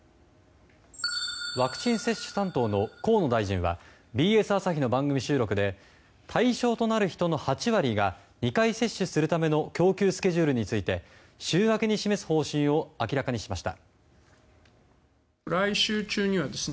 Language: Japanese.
ワクチン接種担当の河野大臣はＢＳ朝日の番組収録で対象となる人の８割が２回接種するための供給スケジュールについて週明けに示す方針を明らかにしました。